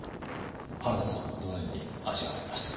原田さんはどのように味わわれましたか？